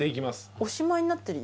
おしまいになってるよ。